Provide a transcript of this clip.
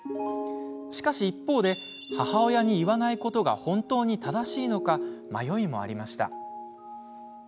しかし、一方で母親に言わないことが本当に正しいのか迷いもありました。